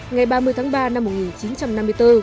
ngày ba mươi tháng ba năm một nghìn chín trăm năm mươi bốn